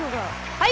はい！